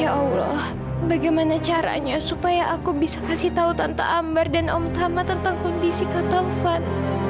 ya allah bagaimana caranya supaya aku bisa kasih tahu tanpa ambar dan om tama tentang kondisi ke tongfan